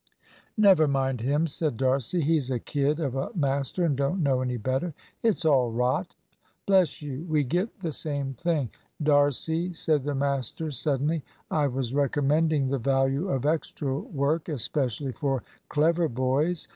"Never mind him," said D'Arcy; "he's a kid of a master, and don't know any better. It's all rot. Bless you, we get the same thing " "D'Arcy," said the master, suddenly, "I was recommending the value of extra work, especially for clever boys.